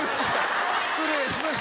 失礼しました。